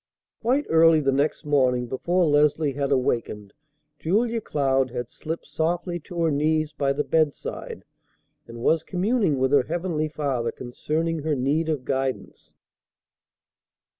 Quite early the next morning, before Leslie had awakened, Julia Cloud had slipped softly to her knees by the bedside, and was communing with her heavenly Father concerning her need of guidance.